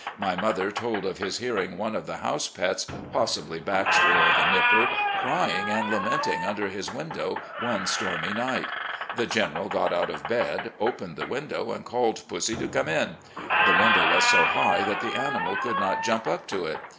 My mother told of his hearing one of the house pets, possibly Baxter or the Nipper, caying and lamenting under his window one stormy night. The General got out of bed, opened the window, and called pussy to come in. The window was so high that the animal could not jump up to it.